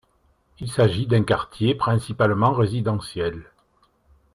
Il s'agit d'un quartier principalement résidentiel.